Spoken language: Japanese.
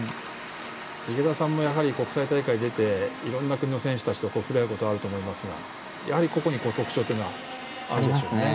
池田さんも国際大会に出ていろんな国の選手たちと触れ合う機会があると思いますがやはり、個々に特徴があるんですね。